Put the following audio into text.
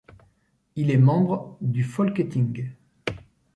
Il est membre du Folketing.